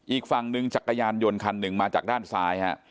อีกฝั่งหนึ่งจักรยานยนต์คันหนึ่งมาจากด้านซ้ายฮะ